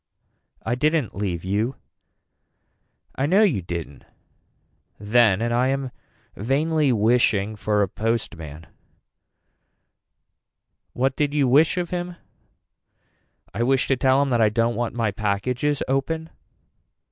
I didn't leave you. I know you didn't then and I am vainly wishing for a postman. What did you wish of him. I wish to tell him that I don't want my packages open.